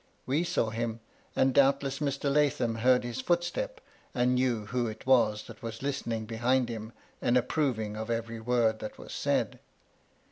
We saw him, and doubtless Mr. Lathom heard his footstep, and knew who it was that was listening behind him, and approving of every word that was said.